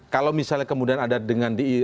kalau misalnya kemudian ada dengan di